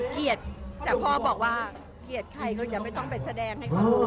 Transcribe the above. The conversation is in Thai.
เกลียดแต่พ่อบอกว่าเกลียดใครก็จะไม่ต้องไปแสดงให้เขารู้